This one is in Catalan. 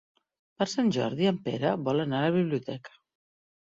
Per Sant Jordi en Pere vol anar a la biblioteca.